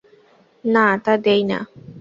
না, তা দিই না।